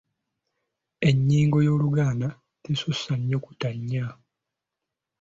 Ennyingo y’Oluganda tesussa nnyukuta nnya.